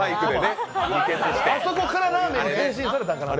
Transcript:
あそこからラーメンに転身されたのかなと。